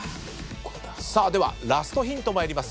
ではラストヒント参ります。